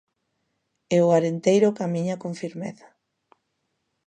E o Arenteiro camiña con firmeza.